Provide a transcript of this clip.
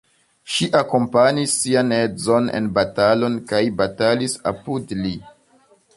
Ŝi akompanis sian edzon en batalon kaj batalis apud li.